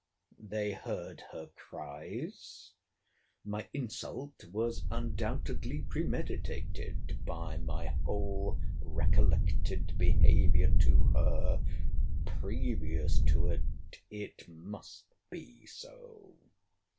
] They heard her cries. My insult was undoubtedly premeditated. By my whole recollected behaviour to her, previous to it, it must be so.